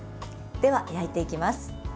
では焼いていきます。